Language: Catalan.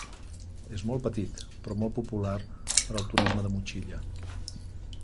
És molt petit, però popular per al turisme de motxilla.